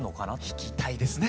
弾きたいですね！